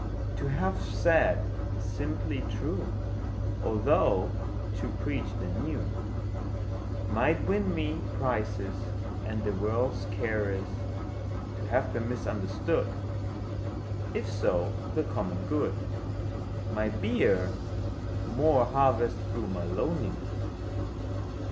To have said the simply true, Although to preach the new Might win me prizes and the world's caress; To have been misunderstood, If so the common good Might bear more harvest through my loneliness.